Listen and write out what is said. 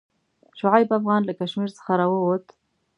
شعیب افغان له کشمیر څخه راووت.